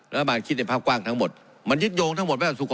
แล้วก็มาคิดในภาพกว้างทั้งหมดมันยึดโยงทั้งหมดไปกับสุขภาพ